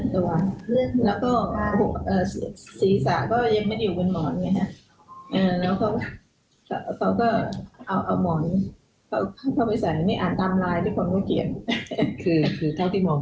เธอก็เลยพูดคนไข้ไปอีกด้านหนึ่งดึงคนไข้อย่างนี้นะคะ